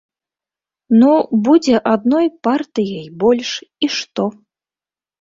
Ну, будзе адной партыяй больш, і што?